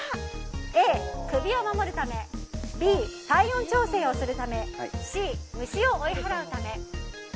Ａ、首を守るためＢ、体温調整をするためＣ、虫を追い払うため。